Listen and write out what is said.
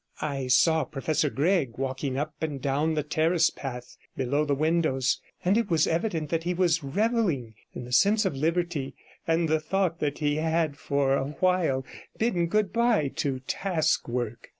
I saw Professor Gregg walking up and down the terrace path below the windows, and it was evident that he was revelling in the sense of liberty, and the thought that he had for a while bidden good bye to task work.